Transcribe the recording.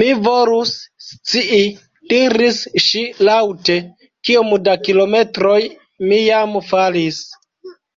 "Mi volus scii," diris ŝi laŭte, "kiom da kilometroj mi jam falis."